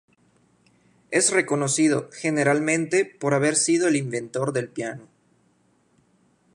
Es reconocido, generalmente, por haber sido el inventor del piano.